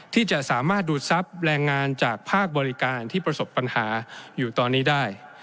ที่จะสามารถดูดทรัพย์แรงงานจากภาคบริการที่ประสบปัญหาอยู่ตอนนี้ได้